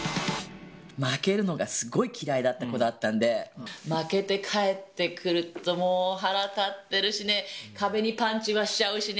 負けるのがすごい嫌いだった子だったんで、負けて帰ってくると、もう腹立ってるしね、壁にパンチはしちゃうしね。